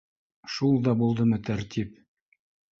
Шул да булдымы тәртип